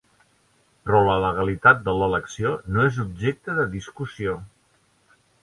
Però la legalitat de l'elecció no és objecte de discussió.